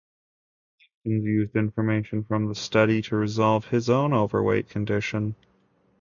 Atkins used information from the study to resolve his own overweight condition.